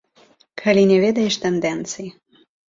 Калі не ведаеш тэндэнцый.